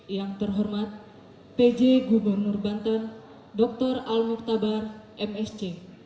yang terhormat pj gubernur banten dr alnurtabar msc